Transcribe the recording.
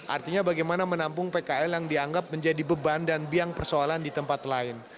artinya bagaimana menampung pkl yang dianggap menjadi beban dan biang persoalan di tempat lain